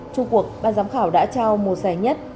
trung cuộc ban giám khảo đã trao một giải nhất